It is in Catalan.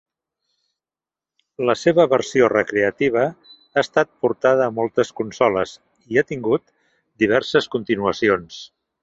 La seva versió recreativa ha estat portada a moltes consoles, i ha tingut diverses continuacions.